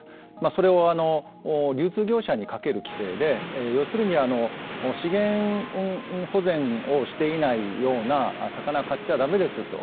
それを流通業者にかける規制で要するに資源保全をしていないような魚を買っちゃだめですよと。